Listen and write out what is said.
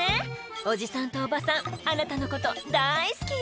「おじさんとおばさんあなたのこと大好きよ」・